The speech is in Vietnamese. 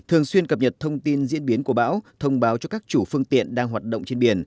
hợp nhật thông tin diễn biến của bão thông báo cho các chủ phương tiện đang hoạt động trên biển